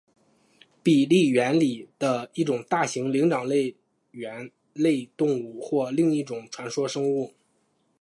比利猿里的一种大型灵长类猿类动物或另一种传说生物。